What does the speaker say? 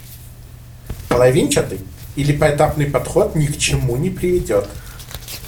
Половинчатый или поэтапный подход ни к чему не приведет.